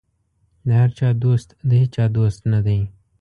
د هر چا دوست د هېچا دوست نه دی.